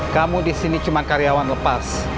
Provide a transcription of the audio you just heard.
kamu disini cuma karyawan lepas